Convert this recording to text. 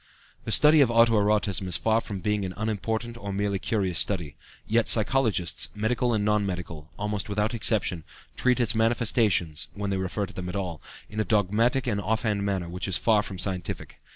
The study of auto erotism is far from being an unimportant or merely curious study. Yet psychologists, medical and non medical, almost without exception, treat its manifestations when they refer to them at all in a dogmatic and off hand manner which is far from scientific.